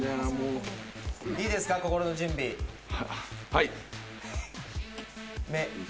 はい。